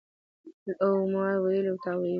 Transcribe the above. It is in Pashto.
او د ما ویلي او تا ویلي